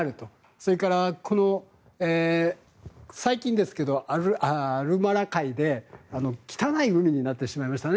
それから、最近ですとマルマラ海で汚い海になってしまいましたね。